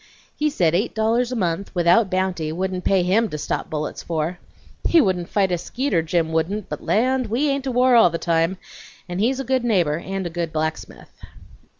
He said eight dollars a month, without bounty, wouldn't pay HIM to stop bullets for. He wouldn't fight a skeeter, Jim wouldn't, but land! we ain't to war all the time, and he's a good neighbor and a good blacksmith."